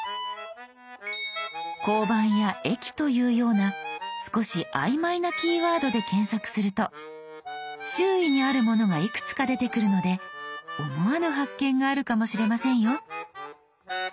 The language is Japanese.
「交番」や「駅」というような少し曖昧なキーワードで検索すると周囲にあるものがいくつか出てくるので思わぬ発見があるかもしれませんよ。